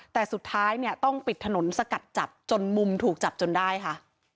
แต่สุดท้ายเนี่ยต้องปิดถนนสกัดจับจนมุมถูกจับจนได้ค่ะ